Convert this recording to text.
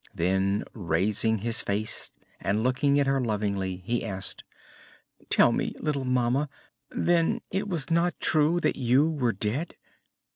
Then, raising his face and looking at her lovingly, he asked: "Tell me, little mamma: then it was not true that you were dead?"